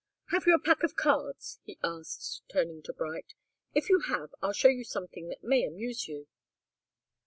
"Have you a pack of cards?" he asked, turning to Bright. "If you have, I'll show you something that may amuse you."